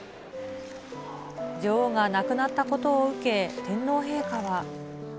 女王が亡くなったことを受け天皇陛下は。